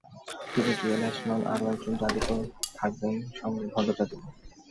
শুধু জুয়েল আইচ নন, আরও একজন জাদুকর থাকবেন সঙ্গে, ভণ্ড জাদুকর।